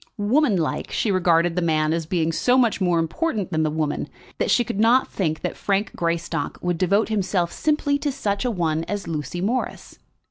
Woman like, she regarded the man as being so much more important than the woman, that she could not think that Frank Greystock would devote himself simply to such a one as Lucy Morris.